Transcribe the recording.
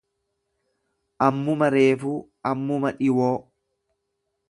Ammuma reefuu, ammuma dhiwoo.